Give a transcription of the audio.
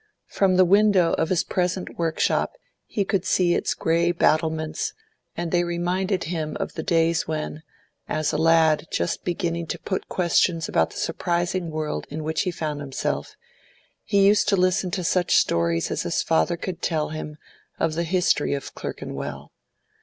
From the window of his present workshop he could see its grey battlements, and they reminded him of the days when, as a lad just beginning to put questions about the surprising world in which he found himself, he used to listen to such stories as his father could tell him of the history of Clerkenwell.